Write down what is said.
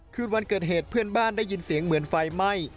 คืนวันเกิดเหตุเพื่อนบ้านได้ยินเสียงเหมือนไฟไหม้